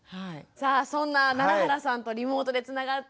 さあそんな楢原さんとリモートでつながっています。